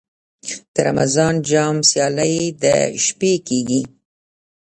د رمضان جام سیالۍ د شپې کیږي.